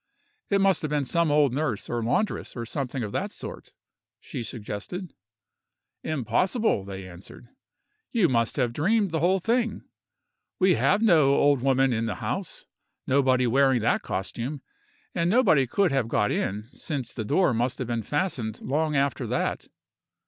"It must have been some old nurse, or laundress, or something of that sort," she suggested. "Impossible!" they answered; "you must have dreamed the whole thing; we have no old woman in the house; nobody wearing that costume; and nobody could have got in, since the door must have been fastened long after that!"